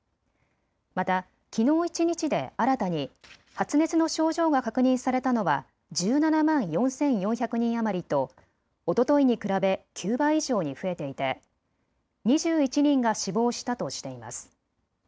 またきのう一日で新たに発熱の症状が確認されたのは１７万４４００人余りとおとといに比べ９倍以上に増えていて２１人が死亡したとしています。